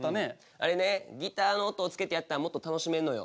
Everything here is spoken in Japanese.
あれねギターの音をつけてやったらもっと楽しめるのよ。